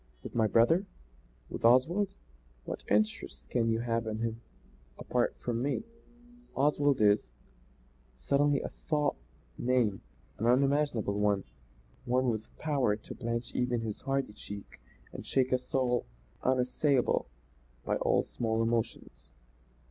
"With my brother? With Oswald? What interest can you have in him apart from me? Oswald is " Suddenly a thought came an unimaginable one; one with power to blanch even his hardy cheek and shake a soul unassailable by all small emotions.